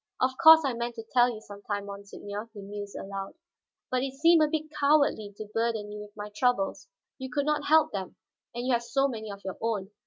"Of course I meant to tell you some time, monseigneur," he mused aloud. "But it seemed a bit cowardly to burden you with my troubles; you could not help them, and you have so many of your own.